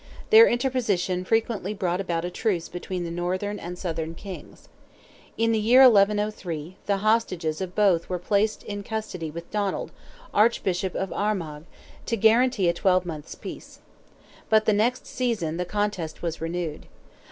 Their interposition frequently brought about a truce between the northern and southern kings. In the year 1103, the hostages of both were placed in custody with Donald, Archbishop of Armagh, to guarantee a twelvemonth's peace. But the next season the contest was renewed.